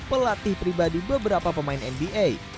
pelatih pribadi beberapa pemain nba